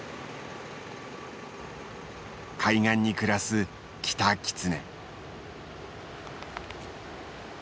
海岸に暮らすキタキツネ。